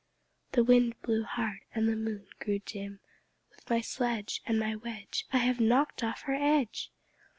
The Wind blew hard, and the Moon grew dim. "With my sledge And my wedge I have knocked off her edge!